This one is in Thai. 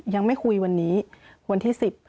ยังไม่คุยวันนี้วันที่๑๐